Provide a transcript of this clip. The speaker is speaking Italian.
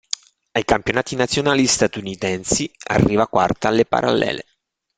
Ai campionati nazionali statunitensi arriva quarta alle parallele.